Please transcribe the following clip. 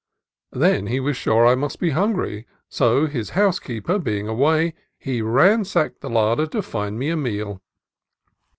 Then he was sure I must be hungry, so, his housekeeper being away, he ransacked the larder to find me a meal.